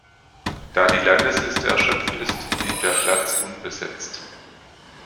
Da die Landesliste erschöpft ist, blieb der Platz unbesetzt.